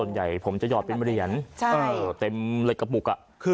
ส่วนใหญ่ผมจะหยอดเป็นเหรียญเต็มเหรียญช่วยเกี่ยวกับเล็กกระปุก